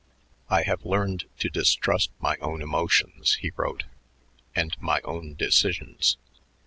"I have learned to distrust my own emotions," he wrote, "and my own decisions.